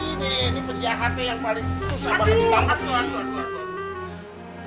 ini penjahatnya yang paling susah banget kita lihat